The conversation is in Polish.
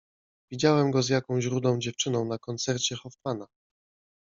Widziałem go z jakąś rudą dziewczyną na koncercie Hoffmana.